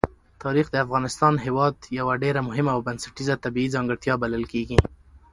تاریخ د افغانستان هېواد یوه ډېره مهمه او بنسټیزه طبیعي ځانګړتیا بلل کېږي.